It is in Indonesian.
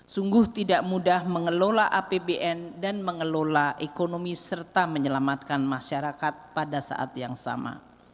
sungguh tidak mudah mengelola apbn dan mengelola ekonomi serta menyelamatkan masyarakat pada saat yang sama